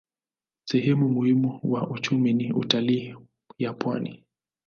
Sehemu muhimu wa uchumi ni utalii ya pwani.